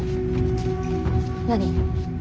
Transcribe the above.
何。